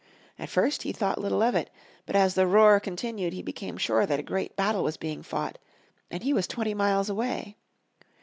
At first he thought little of it, but as the roar continued he became sure that a great battle was being fought and he was twenty miles away!